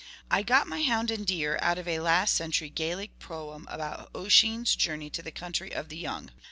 I got my hound and deer out of a last century Gaelic poem about Oisin's journey to the country of the young.